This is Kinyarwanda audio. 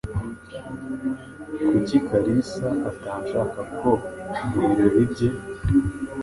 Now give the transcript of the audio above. Kuki Kalisa atanshaka ko mubirori bye?